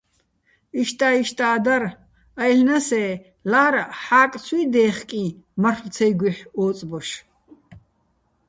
იშტა-იშტა́ დარ - აჲლნასე́ ლა́რაჸ ჰ̦ა́კ ცუჲ დე́ხკიჼ მარლო̆ ცაჲგუჲჰ̦ ო́წბოშ?!